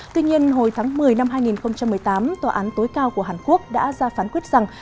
tuy nhiên hồi tháng một mươi năm hai nghìn một mươi tám tòa án tối cao của hàn quốc đã ra phán quyết rằng